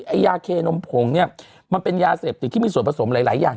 ยาเคนมผงเนี่ยมันเป็นยาเสพติดที่มีส่วนผสมหลายอย่าง